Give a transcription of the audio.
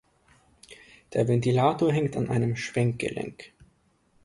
Der Ventilator hängt an einem Schwenkgelenk.